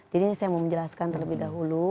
jadi ini saya mau menjelaskan terlebih dahulu